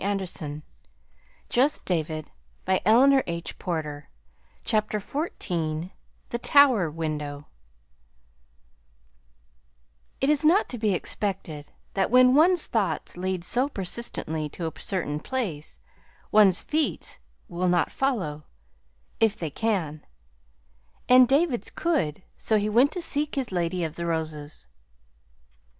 And David laughed back a happy "Of course I am!" CHAPTER XIV THE TOWER WINDOW It is not to be expected that when one's thoughts lead so persistently to a certain place, one's feet will not follow, if they can; and David's could so he went to seek his Lady of the Roses.